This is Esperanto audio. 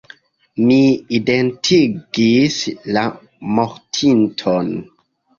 Mi identigis la mortinton.